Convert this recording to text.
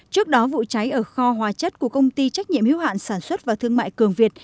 trước đó vụ cháy ở kho hóa chất của công ty trách nhiệm hiếu hạn sản xuất và thương mại cường việt